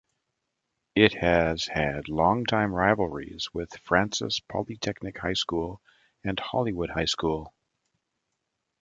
It has had longtime rivalries with Francis Polytechnic High School and Hollywood High School.